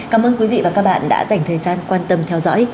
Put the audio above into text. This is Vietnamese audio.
cảm ơn quý vị và các bạn đã dành thời gian quan tâm theo dõi